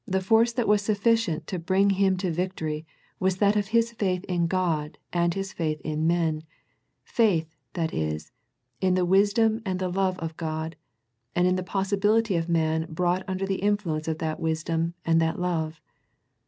The force that was sufficient to bring Him to victory was that of His faith in God and His faith in men, faith, that is, in the wisdom and the love of God, and in the possibility of man brought under the influence of that wisdom and that love.